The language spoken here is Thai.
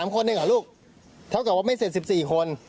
คนหนึ่งเหรอลูกเท่ากับว่าไม่เสร็จ๑๔คน